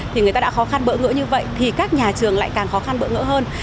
thì người ta đã khó khăn bỡ ngỡ như vậy thì các nhà trường lại càng khó khăn bỡ ngỡ hơn